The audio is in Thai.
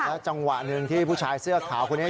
จังหวะหนึ่งที่ผู้ชายเสื้อขาวคนนี้